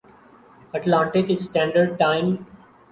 Atlantic standard time